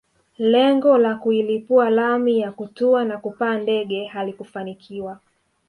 Lengo la kuilipua lami ya kutua na kupaa ndege halikufanikiwa